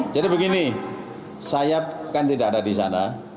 jadi begini saya kan tidak ada di sana